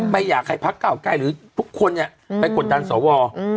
ไม่อยากให้พักเก่าใกล้หรือทุกคนเนี้ยอืมไปกดดันสอวอร์อืม